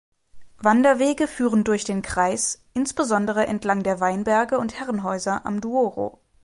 Wanderwege führen durch den Kreis, insbesondere entlang der Weinberge und Herrenhäuser am Douro.